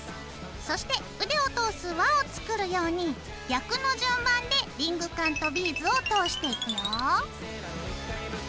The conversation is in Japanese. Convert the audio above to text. そして腕を通す輪を作るように逆の順番でリングカンとビーズを通していくよ。